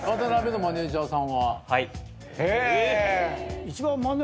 はい。